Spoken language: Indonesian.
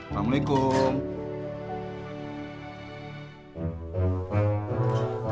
jangan lupa like share dan subscribe ya